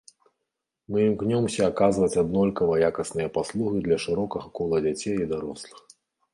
Мы імкнёмся аказваць аднолькава якасныя паслугі для шырокага кола дзяцей і дарослых.